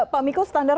pak mikko standar